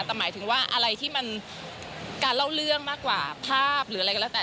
แต่หมายถึงว่าอะไรที่มันการเล่าเรื่องมากกว่าภาพหรืออะไรก็แล้วแต่